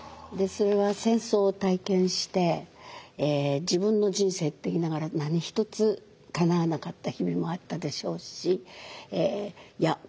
それは戦争を体験して自分の人生って言いながら何一つかなわなかった日々もあったでしょうしいや